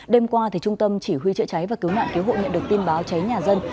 đêm qua trung tâm chỉ huy chữa cháy và cứu nạn cứu hộ nhận được tin báo cháy nhà dân